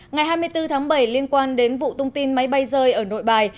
ngày hai mươi bốn tháng bảy liên quan đến vụ tung tin máy bay rơi ở nội bài